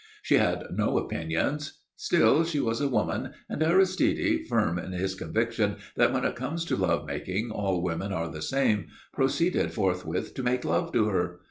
She had no opinions. Still she was a woman, and Aristide, firm in his conviction that when it comes to love making all women are the same, proceeded forthwith to make love to her.